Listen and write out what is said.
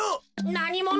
なにもの？